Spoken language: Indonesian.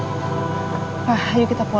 akhirnya nggak tuh